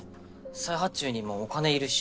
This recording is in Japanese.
再発注にもお金いるし。